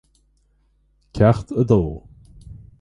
Ceacht a Dó